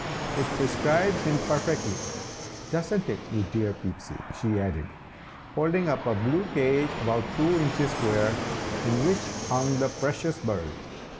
"It prescribes him perfectly. Doesn't it, you dear Peepsy?" she added, holding up a blue cage about two inches square, in which hung the precious bird.